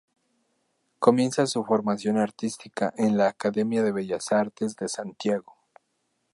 Comienza su formación artística en la Academia de Bellas Artes de Santiago.